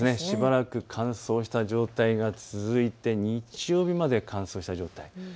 しばらく乾燥した状態が続いて日曜日まで乾燥した状態。